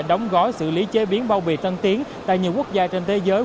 đóng gói xử lý chế biến bao bì tân tiến tại nhiều quốc gia trên thế giới